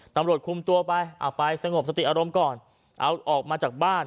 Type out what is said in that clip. ตำรวจคุมตัวไปเอาไปสงบสติอารมณ์ก่อนเอาออกมาจากบ้าน